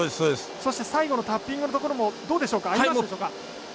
そして最後のタッピングのところもどうでしょうか合いましたでしょうか。